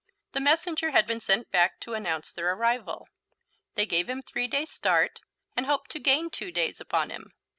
The messenger had been sent back to announce their arrival; they gave him three days' start, and hoped to gain two days upon him.